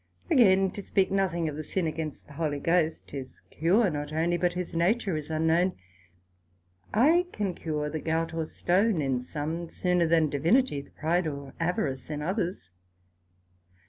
Again, to speak nothing of the Sin against the Holy Ghost, whose cure not onely, but whose nature is unknown; I can cure the Gout or Stone in some, sooner than Divinity Pride or Avarice in others.